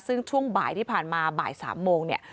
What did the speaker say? ซึ่งช่วงบ่ายที่ผ่านมาบ่าย๓โมงเนี่ย